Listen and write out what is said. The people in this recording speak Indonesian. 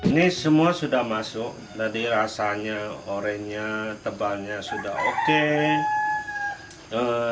ini semua sudah masuk jadi rasanya oranye tebalnya sudah oke